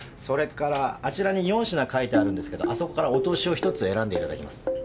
それからあちらに４品書いてあるんですけどあそこからお通しを１つ選んでいただきます。